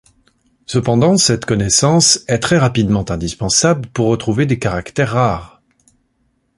Cependant, cette connaissance est très rapidement indispensable pour retrouver des caractères rares.